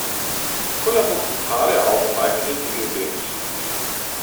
Kulla wuchs in Thale auf und leistete Zivildienst.